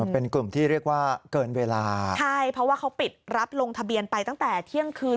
เป็นกลุ่มที่เรียกว่าเกินเวลาใช่เพราะว่าเขาปิดรับลงทะเบียนไปตั้งแต่เที่ยงคืน